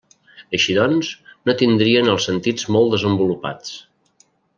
Així doncs, no tindrien els sentits molt desenvolupats.